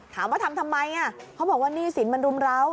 ถามว่าทำทำไมเขาบอกว่าหนี้สินมันรุมร้าว